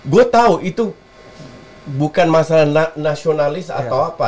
gue tahu itu bukan masalah nasionalis atau apa